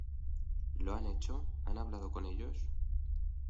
¿ lo han hecho? ¿ han hablado con ellos ?